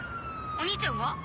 お兄ちゃんは？